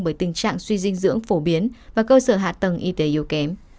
bởi tình trạng suy dinh dưỡng phổ biến và cơ sở hạ tầng y tế yếu kém